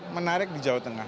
menarik di jawa tengah